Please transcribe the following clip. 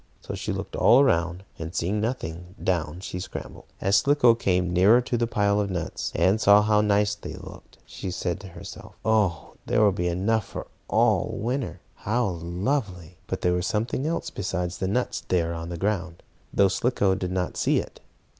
So she looked all around, and, seeing nothing, down she scrambled. As Slicko came nearer to the pile of nuts, and saw how nice they looked, she said to herself: "Oh, there will be enough for all winter. How lovely!" But there was something else besides the nuts there on the ground, though Slicko did not see it.